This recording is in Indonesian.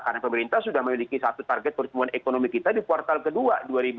karena pemerintah sudah memiliki satu target pertumbuhan ekonomi kita di portal kedua